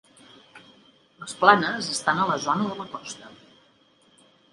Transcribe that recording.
Les planes estan a la zona de la costa.